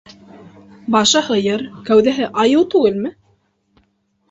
Башы - һыйыр, кәүҙәһе - айыу түгелме?